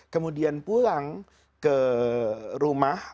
kemudian pulang ke rumah